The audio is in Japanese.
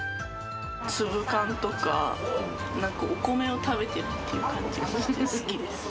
粒感とか、なんかお米を食べてるっていう感じがして好きです。